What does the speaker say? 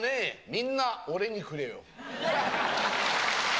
みんな俺にくれよ。